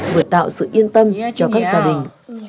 vừa tạo sự yên tâm cho các gia đình